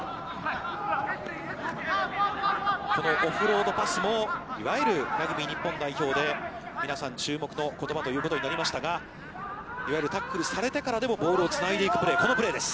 このオフロードパスも、いわゆるラグビー日本代表で皆さん注目の言葉ということになりましたが、いわゆるタックルされてからでもボールをつないでいくプレー